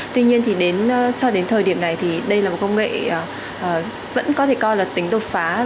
tuy nhiên thì cho đến thời điểm này thì đây là một công nghệ vẫn có thể coi là tính đột phá